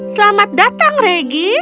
selamat datang regi